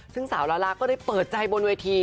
ซึ่งสาวลาล่าก็ได้เปิดใจบนเวที